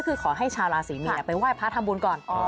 ก็คือขอให้ชาวราศรีมีนไปไหว้พระทำบุญก่อน